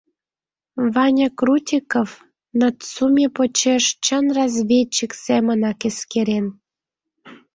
Ваня Крутиков Нацуме почеш чын разведчик семынак эскерен.